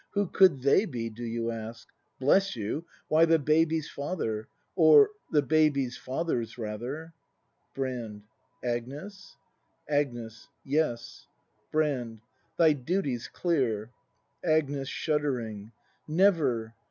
Who could they be, do you ask ? Bless you ! Why, the baby's father. Or,— the baby's fathers rather! Agnes ? Brand. Yes. Agnes. Brand. Thy duty's clear. Agnes. [Shuddering.] Never